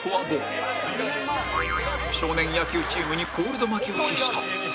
少年野球チームにコールド負けを喫した